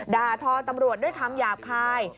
ด่าทอตำรวจด้วยคำหยาบคาย